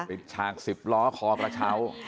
เปิดชากสิบล้อคอกระเช้า